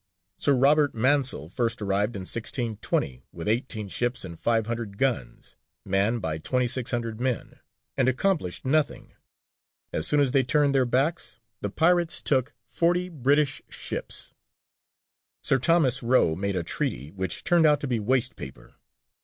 Sir Robert Mansell first arrived in 1620 with eighteen ships and five hundred guns, manned by 2,600 men; and accomplished nothing. As soon as they turned their backs the pirates took forty British ships. Sir Thomas Roe made a treaty, which turned out to be waste paper.